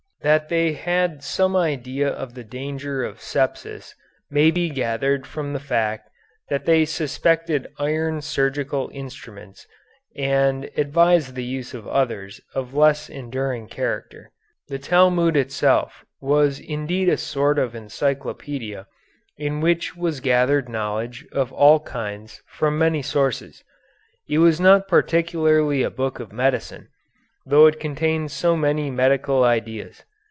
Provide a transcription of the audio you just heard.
That they had some idea of the danger of sepsis may be gathered from the fact that they suspected iron surgical instruments and advised the use of others of less enduring character. The Talmud itself was indeed a sort of encyclopedia in which was gathered knowledge of all kinds from many sources. It was not particularly a book of medicine, though it contains so many medical ideas.